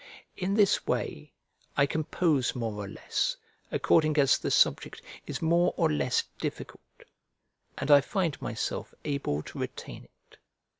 In this way I compose more or less, according as the subject is more or less difficult, and I find myself able to retain it.